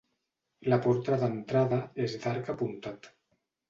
La porta d'entrada és d'arc apuntat.